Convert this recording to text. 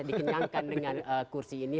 dikenyangkan dengan kursi ini